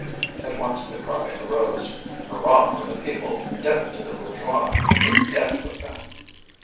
At once the cry arose: "Hurrah for the people! Death to the bourgeois! To death with them!"